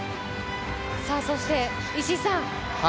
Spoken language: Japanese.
そして石井さん。